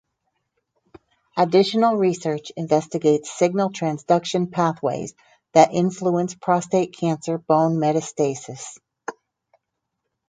Additional research investigates signal transduction pathways that influence prostate cancer bone metastasis.